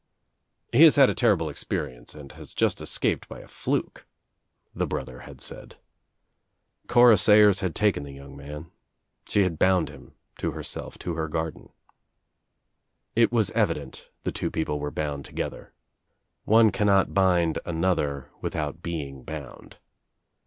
"He has had a terrible experience and has just escaped by a fluke" the brother had said. Cora Sayers had taken the young man. She had bound him to herself, to her garden. It was evident the two people were bound together. One cannot bind another without being bound.